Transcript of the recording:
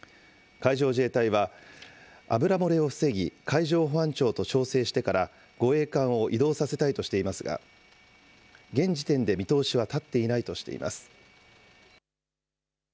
海上自衛隊は、油漏れを防ぎ、海上保安庁と調整してから護衛艦を移動させたいとしていますが、現時点で見通しは立っていないとしています。